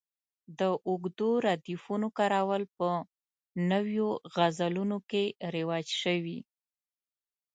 د اوږدو ردیفونو کارول په نویو غزلونو کې رواج شوي.